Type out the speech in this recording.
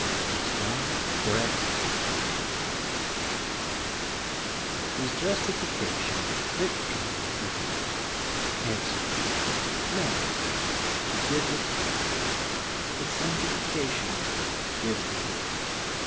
Bless God for ever ! Does justification fit people for heaven ? Answer : No, it gives a title, but sanctification gives the fitness.